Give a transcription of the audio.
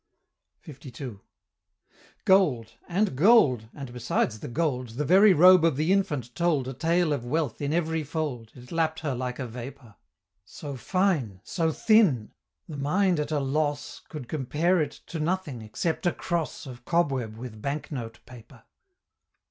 LII. Gold! and gold! and besides the gold, The very robe of the infant told A tale of wealth in every fold, It lapp'd her like a vapor! So fine! so thin! the mind at a loss Could compare it to nothing except a cross Of cobweb with bank note paper.